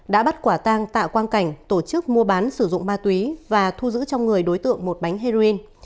đã bắt quả tang tạ quang cảnh tổ chức mua bán sử dụng ma túy và thu giữ trong người đối tượng một bánh heroin